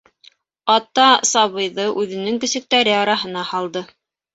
Ата сабыйҙы үҙенең көсөктәре араһына һалды.